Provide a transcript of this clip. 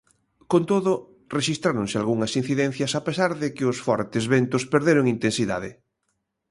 Con todo, rexistráronse algunhas incidencias a pesar de que os fortes ventos perderon intensidade.